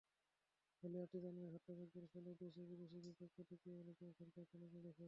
হলি আর্টিজানের হত্যাযজ্ঞের ফলে দেশে-বিদেশে ব্যাপক প্রতিক্রিয়া হলেই কেবল সরকারের টনক নড়েছে।